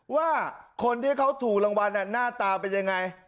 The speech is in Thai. ว่าคนที่เขาถูกรางวัลหน้าตาเป็นยังไง